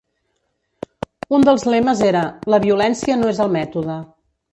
Un dels lemes era "la violència no és el mètode".